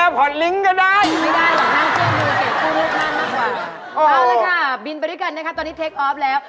เอาแล้วค่ะบินไปด้วยกันตอนนี้เทคอิ๊คอล์ฟแล้ว